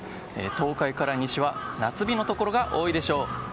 東海から西は夏日のところが多いでしょう。